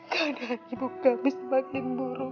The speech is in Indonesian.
karena ibu kami semakin buruk